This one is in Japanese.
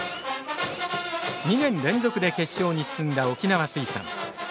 ２年連続で決勝に進んだ沖縄水産。